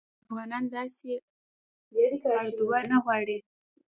افغانان داسي اردوه نه غواړي